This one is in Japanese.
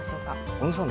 小野さん